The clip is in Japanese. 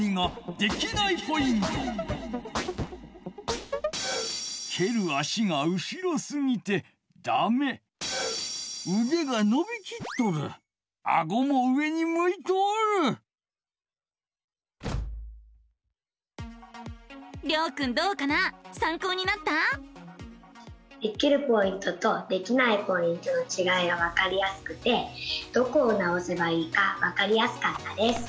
できるポイントとできないポイントのちがいが分かりやすくてどこを直せばいいか分かりやすかったです。